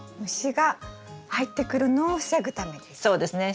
虫が入ってくるのを防ぐためです。